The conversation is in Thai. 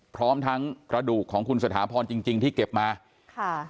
พร้อมทั้งกระดูกของคุณสถาพรจริงจริงที่เก็บมาค่ะ